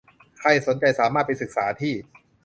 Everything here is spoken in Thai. ใครสนใจสามารถไปศึกษาที่